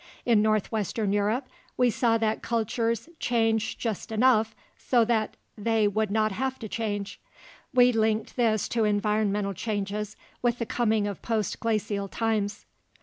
In northwestern Europe, we saw that cultures "changed just enough so that they would not have to change." We linked this to environmental changes with the coming of post glacial times.